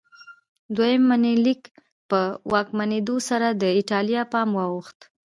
دویم منیلیک په واکمنېدو سره د ایټالیا پام واوښت.